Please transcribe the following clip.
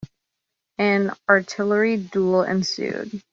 An artillery duel ensued.